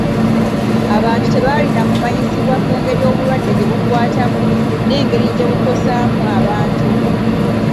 Abantu tebalina kumanyisibwa ku ngeri obulwadde gye bukwatamu n'engeri gye bukosaamu abantu.